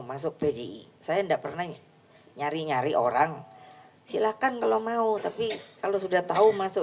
masuk pdi saya enggak pernah nyari nyari orang silakan kalau mau tapi kalau sudah tahu masuk